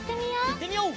いってみよう！